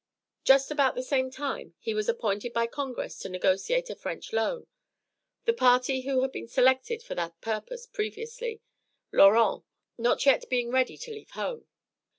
Just about the same time he was appointed by Congress to negotiate a French loan, the party who had been selected for that purpose previously, Laurens, not yet being ready to leave home.